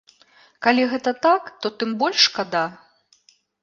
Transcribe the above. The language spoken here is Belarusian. Калі гэта так, то тым больш шкада.